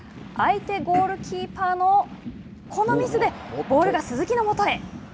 相手ゴールキーパーのこのミスでボールが鈴木のもとへ。